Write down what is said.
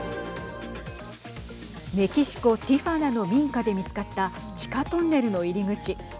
メキシコティファナの民家で見つかった地下トンネルの入り口。